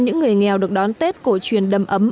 những người nghèo được đón tết cổ truyền đâm ấm